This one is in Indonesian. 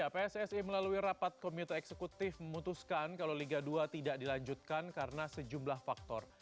pssi melalui rapat komite eksekutif memutuskan kalau liga dua tidak dilanjutkan karena sejumlah faktor